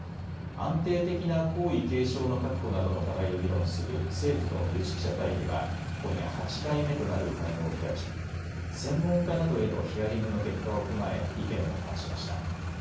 安定的な皇位継承の確保などの課題を議論する政府の有識者会議は今夜８回目となる会合を開き専門家などへのヒアリングの結果を踏まえ意見を交わしました。